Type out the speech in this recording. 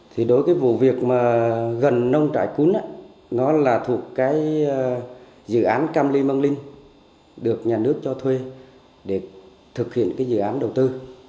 thì đối với vụ việc gần nông trại cún nó là thuộc dự án cam ly mang lin được nhà nước cho thuê để thực hiện dự án đầu tư